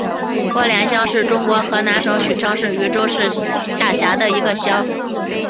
郭连乡是中国河南省许昌市禹州市下辖的一个乡。